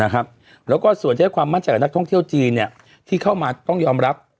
และส่วนความมัติกับนักท่องเที่ยวจีนที่เข้ามาต้องยอมรับ